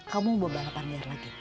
kamu bawa balapan liar lagi